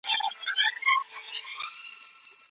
هر انسان د خپلواک ژوند کولو پوره حق لري.